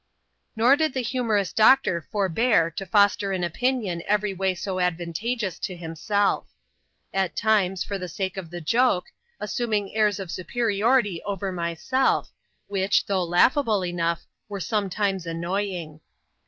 Nor did the humorous doctor forbear to foster an opinion every way so advantageous to himself; at times, for the sake of the joke, assuming airs of superiority over myself, which, though laughable enough, were sometimes annoying.